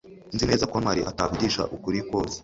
nzi neza ko ntwali atavugisha ukuri kose